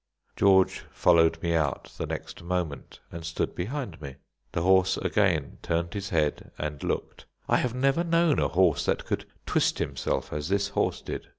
George followed me out the next moment, and stood behind me. The horse again turned his head and looked. I have never known a horse that could twist himself as this horse did.